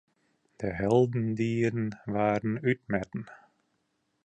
De heldendieden waarden útmetten.